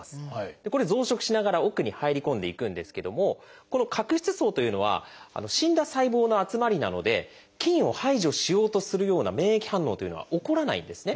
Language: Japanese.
これ増殖しながら奥に入り込んでいくんですけどもこの角質層というのは死んだ細胞の集まりなので菌を排除しようとするような免疫反応というのは起こらないんですね。